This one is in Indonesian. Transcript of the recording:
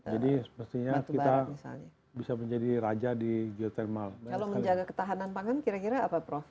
jadi sepertinya kita bisa menjadi raja di geothermal kalau menjaga ketahanan pangan kira kira apa prof